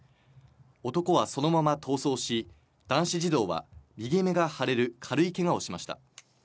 男はそのまま逃走し、男子児童は右目が腫れる軽いけがをしました。